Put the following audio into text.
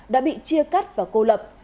đã bị chia cắt và cô lập